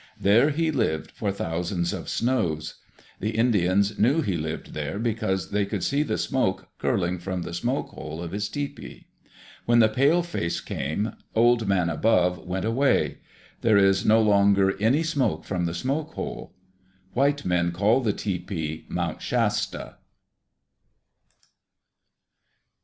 There he lived for thousands of snows. The Indians knew he lived there because they could see the smoke curling from the smoke hole of his tepee. When the pale face came, Old Man Above went away. There is no longer any smoke from the smoke hole. White men call the tepee Mount Shasta.